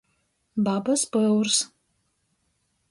Babys pyurs.